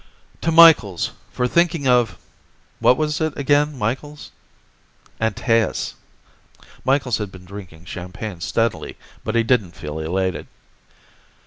"To Micheals, for thinking of what was it again, Micheals?" "Antaeus." Micheals had been drinking champagne steadily, but he didn't feel elated.